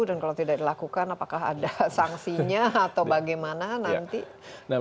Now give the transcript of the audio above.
dan kalau tidak dilakukan apakah ada sanksinya atau bagaimana nanti